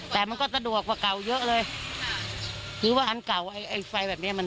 ตามที่ดูข่าวมาแล้วมันเห็น